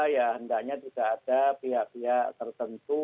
ya hendaknya juga ada pihak pihak tertentu